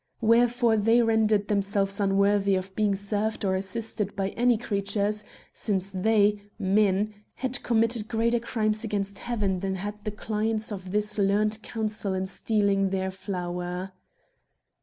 Wherefore they rendered themselves unworthy of being served or assisted by any creatures, since they (men) had committed greater crimes against heaven than had the clients of this learned counsel in stealing their flour.